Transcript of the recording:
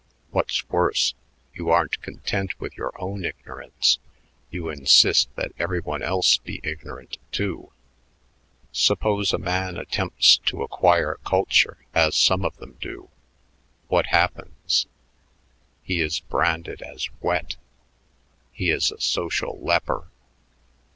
What's worse, you aren't content with your own ignorance; you insist that every one else be ignorant, too. Suppose a man attempts to acquire culture, as some of them do. What happens? He is branded as wet. He is a social leper.